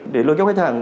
để lôi kéo khách hàng